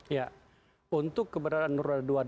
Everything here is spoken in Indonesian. ya untuk keberadaan roda dua